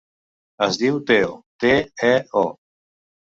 Es diu Teo: te, e, o.